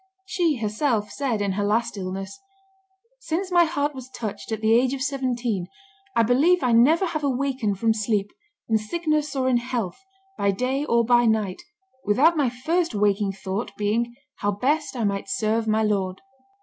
She, herself, said, in her last illness, "Since my heart was touched, at the age of seventeen, I believe I never have awakened from sleep, in sickness or in health, by day or by night, without my first waking thought being, how best I might serve my Lord."